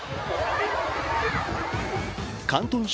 広東省